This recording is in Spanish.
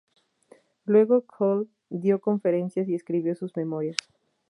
Luego Cole dio conferencias y escribió sus memorias.